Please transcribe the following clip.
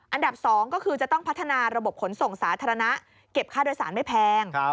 อันดับ๒ก็คือจะต้องพัฒนาระบบขนส่งสาธารณะเก็บค่าโดยสารไม่แพง